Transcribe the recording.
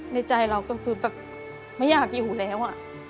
ในใจเราก็คือแบบไม่อยากอยู่แล้ว